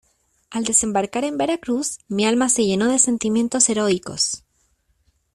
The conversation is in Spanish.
al desembarcar en Veracruz, mi alma se llenó de sentimientos heroicos.